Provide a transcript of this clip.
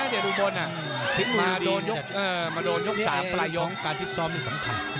เด่ดุบนอ่ะมาโดนยกเอ่อมาโดนยกสามประยองการทิศซอมมันสำคัญ